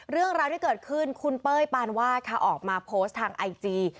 เรื่องราวที่เกิดขึ้นคุณเป้ยปานวาดค่ะออกมาโพสต์ทางไอจี